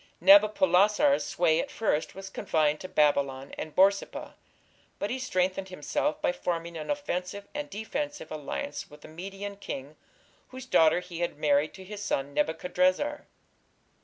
Nabopolassar's sway at first was confined to Babylon and Borsippa, but he strengthened himself by forming an offensive and defensive alliance with the Median king, whose daughter he had married to his son Nebuchadrezzar.